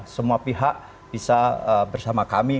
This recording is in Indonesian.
semua pihak bisa bersama kami